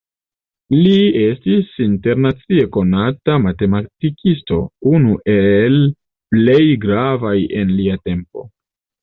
Li estis internacie konata matematikisto, unu el plej gravaj en lia tempo.